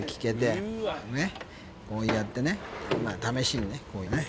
こうやってねまぁ試しにねこうね。